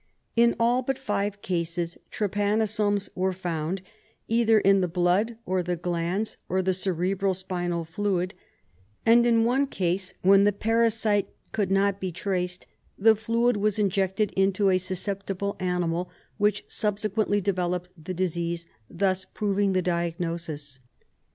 In all but five cases trypanosomes were found, either in the blood, or the glands, or the cerebro spinal fluid, and in one case, when the parasites could not be traced, the fluid was injected into a susceptible animal, which subse quently developed the disease, thus proving the diagnosis.